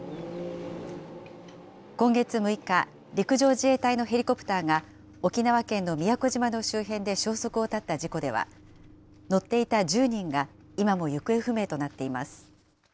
今月６日、陸上自衛隊のヘリコプターが沖縄県の宮古島の周辺で消息を絶った事故では、乗っていた１０人が今も行方不明となっています。